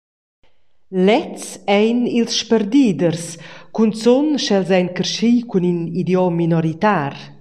Lezs ein ils sperdiders, cunzun sch’els ein carschi cun in idiom minoritar.